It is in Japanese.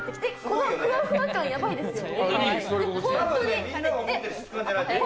このふわふわ感、やばいですよ！